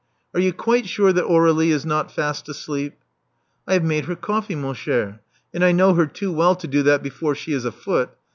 Are you quite sure that Aur^lie is not fast asleep?" I have made her coffee, mon cher; and I know her too well to do that before she is afoot.